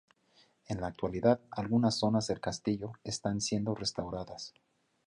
En la actualidad, algunas zonas del castillo están siendo restauradas.